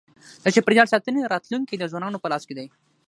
د چاپېریال ساتنې راتلونکی د ځوانانو په لاس کي دی.